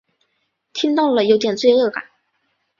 听到了有点罪恶感